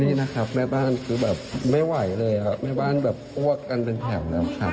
นี่นะครับแบบแม่บ้านคือแบบไม่ไหวเลยแม่บ้านแบบวกกันเป็นแขมแล้วครับ